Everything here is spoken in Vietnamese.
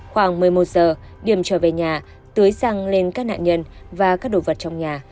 khoảng một mươi một giờ điểm trở về nhà tưới răng lên các nạn nhân và các đồ vật trong nhà